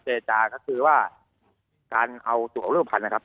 จิรจาก็คือว่าการเอาตัวรูปพันธุ์นะครับ